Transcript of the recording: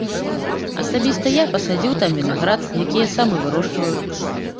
Асабіста я пасадзіў там вінаград, якія сам і вырошчваю.